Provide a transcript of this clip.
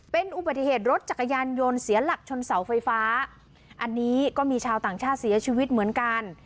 เป็นอุบัติเหตุรถจักรยานยนต์เสียหลักชนเสาไฟฟ้าอันนี้ก็มีชาวต่างชาติเสียชีวิตเหมือนกัน